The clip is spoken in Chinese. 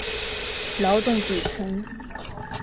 劳动底层